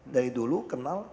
dari dulu kenal